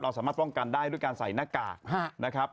สามารถป้องกันได้ด้วยการใส่หน้ากากนะครับ